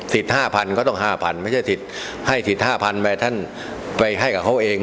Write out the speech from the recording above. สิทธิ์๕๐๐๐ก็ต้อง๕๐๐๐ไม่ใช่ให้สิทธิ์๕๐๐๐ไปให้กับเขาเอง